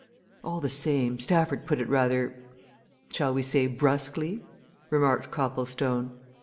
"All the same, Stafford put it rather shall we say, brusquely," remarked Copplestone.